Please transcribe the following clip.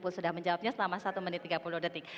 sudah menjawabnya selama satu menit tiga puluh detik